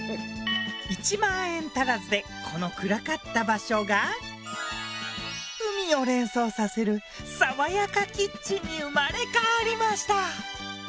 １万円足らずでこの暗かった場所が海を連想させる爽やかキッチンに生まれ変わりました。